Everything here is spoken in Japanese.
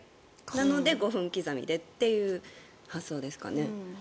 なので、５分刻みでという発想ですかね。